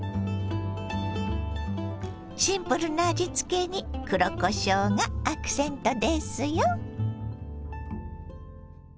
シンプルな味つけに黒こしょうがアクセントですよ。